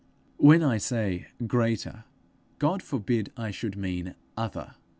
When I say greater, God forbid I should mean _other!